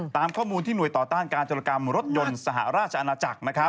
ตามข้อมูลที่หน่วยต่อต้านการจรกรรมรถยนต์สหราชอาณาจักร